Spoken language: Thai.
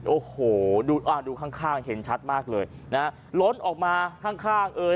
โอ้โหดูข้างเห็นชัดมากเลยนะล้นออกมาข้างเอ่ย